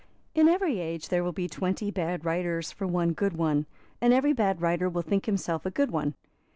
In every age there will be twenty bad writers for one good one; and every bad writer will think himself a good one.